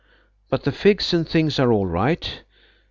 But the figs and things are all right."